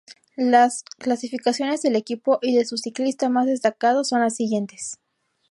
Las clasificaciones del equipo y de su ciclista más destacado son las siguientes.